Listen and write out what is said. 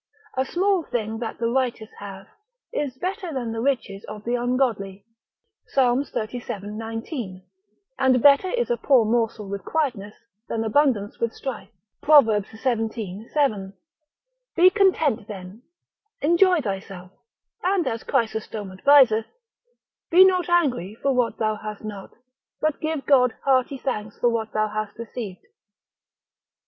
A small thing that the righteous hath, is better than the riches of the ungodly, Psal. xxxvii. 19; and better is a poor morsel with quietness, than abundance with strife, Prov. xvii. 7. Be content then, enjoy thyself, and as Chrysostom adviseth, be not angry for what thou hast not, but give God hearty thanks for what thou hast received.